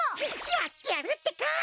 やってやるってか。